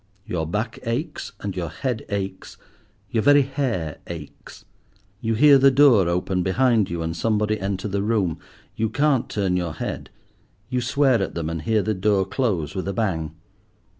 Your back aches and your head aches, your very hair aches. You hear the door open behind you and somebody enter the room. You can't turn your head. You swear at them, and hear the door close with a bang.